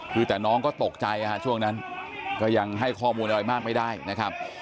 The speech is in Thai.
คือแต่น้องก็ตกใจช่วงนั้นก็ยังให้ข้อมูลอะไรมากไม่ได้นะครับ